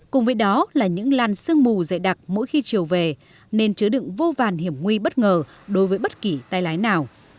cùng với đó là những lan sương mù dày đặc mỗi khi chiều về nên chứa đựng vô vàn hiểm nguy bất ngờ đối với bất kỳ tay lái nào